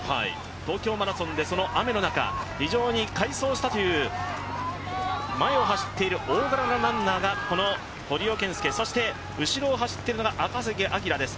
東京マラソンでその雨の中、非常に快走したという前を走っている大柄のランナーがこの堀尾謙介、そして後ろを走っているのが赤崎暁です。